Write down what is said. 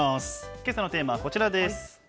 けさのテーマはこちらです。